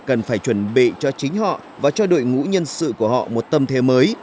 cần phải chuẩn bị cho chính họ và cho đội ngũ nhân sự của họ một tâm thế mới